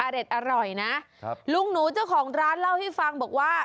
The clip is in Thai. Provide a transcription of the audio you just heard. เด็ดอร่อยนะครับลุงหนูเจ้าของร้านเล่าให้ฟังบอกว่า